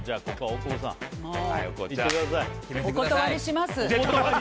お断りします！